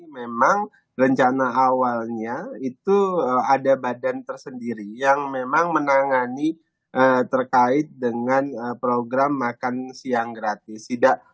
memang rencana awalnya itu ada badan tersendiri yang memang menangani terkait dengan program makan siang gratis